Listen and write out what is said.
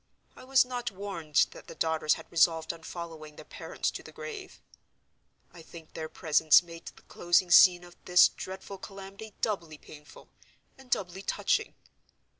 I was not warned that the daughters had resolved on following their parents to the grave. I think their presence made the closing scene of this dreadful calamity doubly painful, and doubly touching.